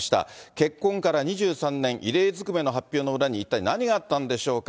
結婚から２３年、異例ずくめの発表の裏に一体何があったんでしょうか。